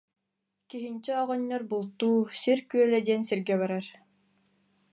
Киһинчэ оҕонньор бултуу Сис күөлэ диэн сиргэ барар